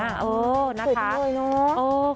เออนะคะตื่นเต็มเลยเนอะ